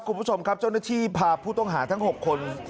คุณผู้ชมครับเจ้าหน้าที่พาผู้ต้องหาทั้ง๖คน